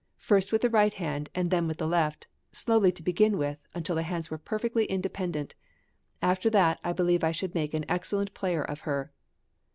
first with the right {MANNHEIM.} (384) hand and then with the left, slowly to begin with until the hands were perfectly independent; after that I believe I should make an excellent player of her."